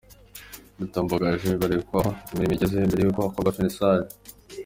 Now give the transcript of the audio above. Batambagijwe berekwa aho imirimo igeze, mbere y'uko hakorwa 'Finissage' .